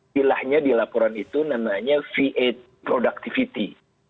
bilahnya di laporan itu namanya v delapan productivity